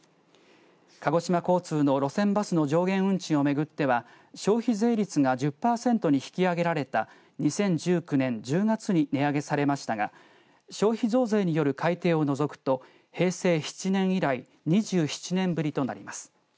鹿児島交通の路線バスの上限運賃を巡っては消費税率が１０パーセントに引き上げられた２０１９年１０月に値上げされましたが消費増税による改定を除くと平成７年以来２７年ぶりとなります。